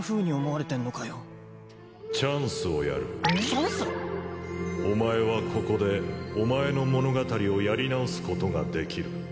チャンス！？・お前はここでお前の物語をやり直すことができる。